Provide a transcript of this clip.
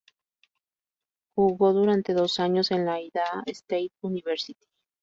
Jugó durante dos años en la Idaho State University.